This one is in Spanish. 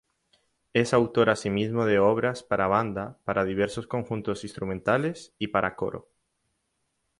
Es autor asimismo de obras para banda, para diversos conjuntos instrumentales y para coro.